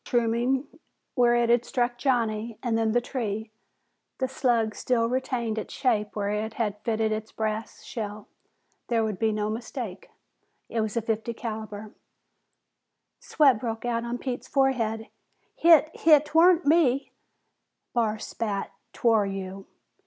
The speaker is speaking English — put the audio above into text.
Mushrooming where it had struck Johnny and then the tree, the slug still retained its shape where it had fitted its brass shell. There could be no mistake; it was fifty caliber. Sweat broke out on Pete's forehead. "Hit Hit 'Twarn't me!" Barr spat, "'Twar you!"